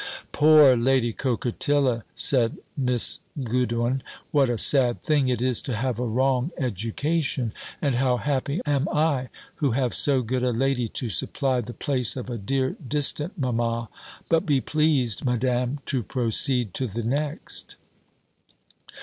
"Poor Lady Coquetilla!" said Miss Goodwin; "what a sad thing it is to have a wrong education; and how happy am I, who have so good a lady to supply the place of a dear distant mamma! But be pleased, Madam, to proceed to the next."